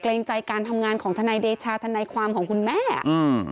เกรงใจการทำงานของทนายเดชาทนายความของคุณแม่อืม